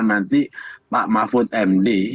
nanti pak mahfud md